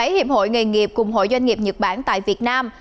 bảy hiệp hội nghề nghiệp cùng hội doanh nghiệp nhật bản tại việt nam